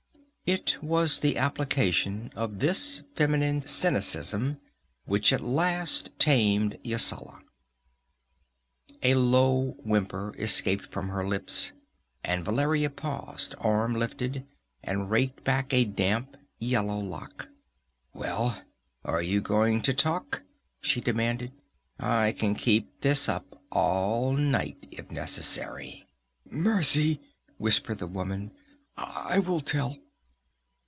It was the application of this feminine cynicism which at last tamed Yasala. A low whimper escaped from her lips, and Valeria paused, arm lifted, and raked back a damp yellow lock. "Well, are you going to talk?" she demanded. "I can keep this up all night, if necessary!" "Mercy!" whispered the woman. "I will tell."